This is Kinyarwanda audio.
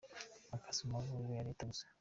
akazi mu mavuriro ya Leta Gusa.